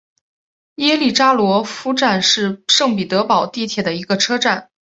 耶利扎罗夫站是圣彼得堡地铁的一个车站。